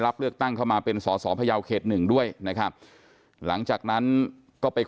ฤทธิพิเศษวนปราชาวันไทย